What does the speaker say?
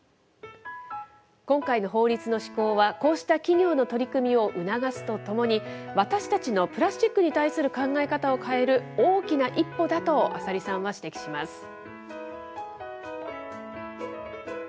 今回の法律の施行は、こうした企業の取り組みを促すとともに、私たちのプラスチックに対する考え方を変える、大きな一歩だと浅利さんは指摘します。